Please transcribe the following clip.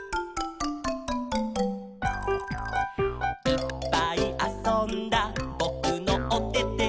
「いっぱいあそんだぼくのおてて」